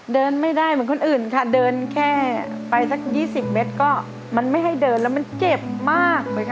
เดินไม่ได้เหมือนคนอื่นค่ะเดินแค่ไปสัก๒๐เมตรก็มันไม่ให้เดินแล้วมันเจ็บมากเลยค่ะ